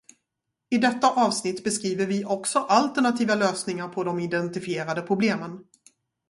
I detta avsnitt beskriver vi också alternativa lösningar på de identifierade problemen.